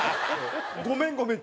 「ごめんごめん